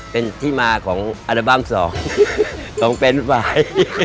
เป็นที่มาของอัลบั้ม๒ของแฟนไฟ